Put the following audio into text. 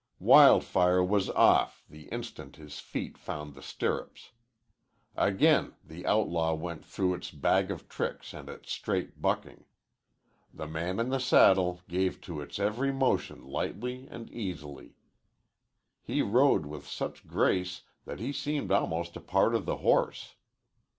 Wild Fire was off the instant his feet found the stirrups. Again the outlaw went through its bag of tricks and its straight bucking. The man in the saddle gave to its every motion lightly and easily. He rode with such grace that he seemed almost a part of the horse.